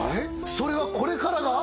それはこれからが？